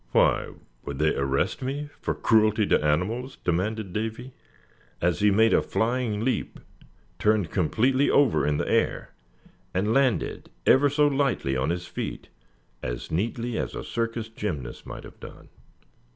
"Why, would they arrest me for cruelty to animals?" demanded Davy, as he made a flying leap, turned completely over in the air, and landed ever so lightly on his feet, as neatly as a circus gymnast might have done.